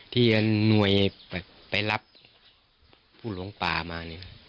ที่ยังหน่วยไปรับผู้หลวงปลามา